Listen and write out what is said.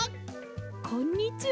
こんにちは。